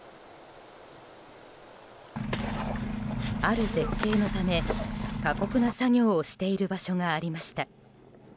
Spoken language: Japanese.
ある絶景のため、過酷な作業をしている場所がありました。